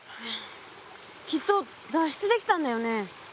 きっと脱出できたんだよね？